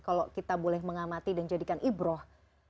kalau kita boleh mengamati dan jadikan ibroh